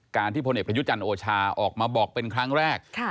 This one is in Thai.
การที่พลเน็ตพระยุจรรย์โอชาออกมาบอกเป็นครั้งแรก